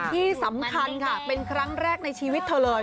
ที่สำคัญค่ะเป็นครั้งแรกในชีวิตเธอเลย